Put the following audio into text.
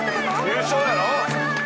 優勝やろ？